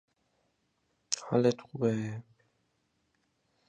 He serves as the Director of Water Diplomacy.